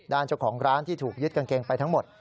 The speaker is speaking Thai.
เจ้าของร้านที่ถูกยึดกางเกงไปทั้งหมด